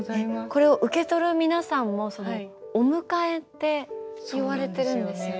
これを受け取る皆さんも「お迎え」って言われてるんですよね。